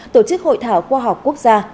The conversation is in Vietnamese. tổ chức hội thảo khoa học quốc gia